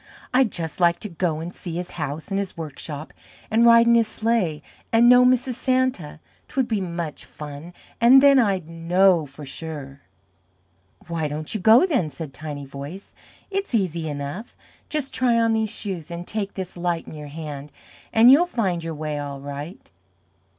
I'd just like to go and see his house and his workshop, and ride in his sleigh, and know Mrs. Santa 'twould be such fun, and then I'd KNOW for sure." "Why don't you go, then?" said Tiny Voice. "It's easy enough. Just try on these Shoes, and take this Light in your hand, and you'll find your way all right."